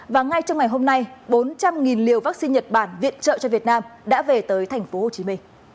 và ngay trong ngày hôm nay bốn trăm linh liều vaccine nhật bản viện trợ cho việt nam đã về tới tp hcm